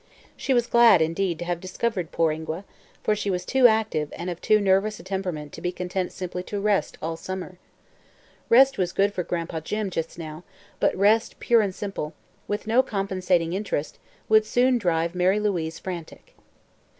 She was glad, indeed, to have discovered poor Ingua, for she was too active and of too nervous a temperament to be content simply to "rest" all summer. Rest was good for Gran'pa Jim, just now, but rest pure and simple, with no compensating interest, would soon drive Mary Louise frantic.